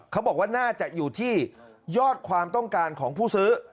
เขาบอกว่าน่าจะอยู่ที่ยอดความต้องการของผู้ซื้อ